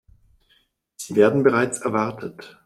Sie werden bereits erwartet.